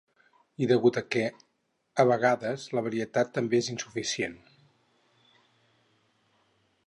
I degut a que a vegades la veritat també és insuficient.